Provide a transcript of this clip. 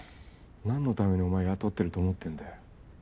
何のためにお前雇ってると思ってんだよ